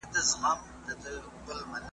که دغه مېنه د احمدشاه وای ,